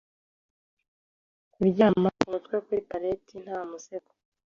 kuryama umutwe kuri pallet nta musego